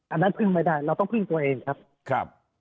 อันนั้นพึ่งไม่ได้เราต้องพึ่งตัวเองครับ